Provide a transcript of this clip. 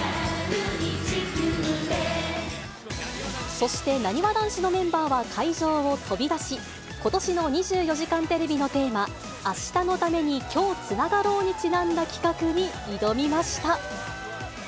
そしてなにわ男子のメンバーは、会場を飛び出し、ことしの２４時間テレビのテーマ、明日のために、今日つながろう。にちなんだ企画に挑みました。